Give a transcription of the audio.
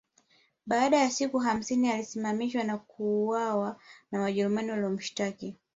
Baada ya siku hamsini alisimamishwa na kuuawa na Wajerumani waliomshtaki